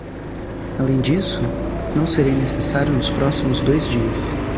Além disso? não serei necessário nos próximos dois dias.